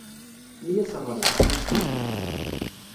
Mi as-ɣriɣ, yezzi-d.